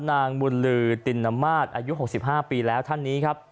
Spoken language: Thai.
นางบุญลือตินน้ำมาตรอายุหกสิบห้าปีแล้วท่านนี้ครับ